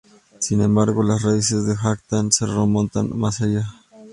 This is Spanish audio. Sin embargo, las raíces de Jharkhand se remontan más allá.